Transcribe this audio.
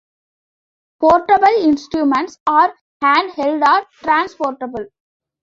Portable instruments are hand-held or transportable.